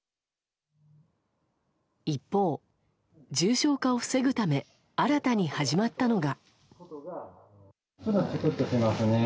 一方、重症化を防ぐため新たに始まったのが。